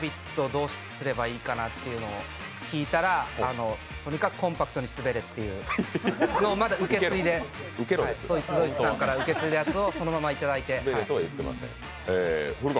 どうすればいいかなというのを聞いたらとにかくコンパクトにすべれっていうのを、そいつどいつさんから受け継いだやつをそのまま受け継いで。